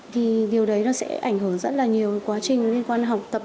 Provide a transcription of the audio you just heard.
thì điều đấy nó sẽ ảnh hưởng rất là nhiều quá trình liên quan học tập